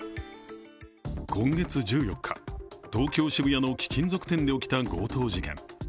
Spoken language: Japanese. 今月１４日、東京・渋谷の貴金属店で起きた強盗事件。